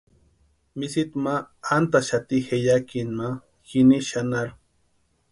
Misitu ma antʼaxati jeyakini ma jini xanharhu.